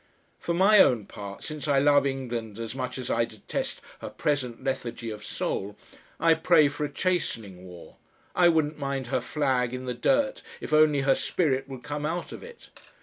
For my own part, since I love England as much as I detest her present lethargy of soul, I pray for a chastening war I wouldn't mind her flag in the dirt if only her spirit would come out of it.